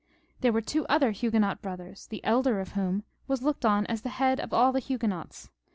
There were two other Huguenot brothers, the elder of whom was looked on as the head of all the Huguenots.